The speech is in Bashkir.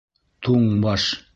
Туң баш!